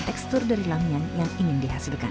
tekstur dari lamian yang ingin dihasilkan